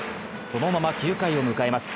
そのまま９回を迎えます。